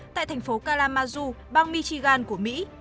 tại thành phố kalamazoo bang michigan của mỹ